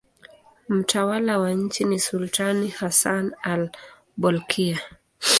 Mtawala wa nchi ni sultani Hassan al-Bolkiah.